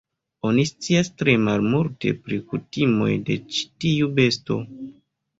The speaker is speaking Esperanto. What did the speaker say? Oni scias tre malmulte pri kutimoj de ĉi tiu besto.